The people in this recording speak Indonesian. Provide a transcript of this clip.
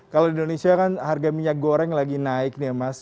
kalau di indonesia kan harga minyak goreng lagi naik nih ya mas